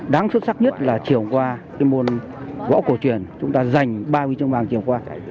đáng xuất sắc nhất là chiều qua cái môn võ cổ truyền chúng ta giành ba huy chương vàng chiều qua